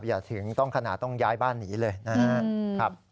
อย่าถึงต้องขนาดต้องย้ายบ้านหนีเลยนะครับ